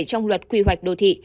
trong luật quy hoạch đô thị